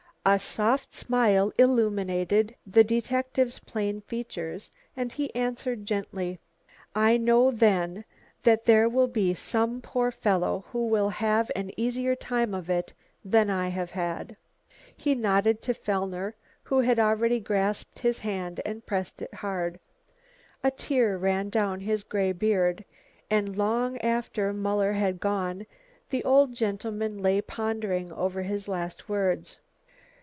A soft smile illumined the detective's plain features and he answered gently, "I know then that there will be some poor fellow who will have an easier time of it than I have had." He nodded to Fellner, who had already grasped his hand and pressed it hard. A tear ran down his grey beard, and long after Muller had gone the old gentleman lay pondering over his last words.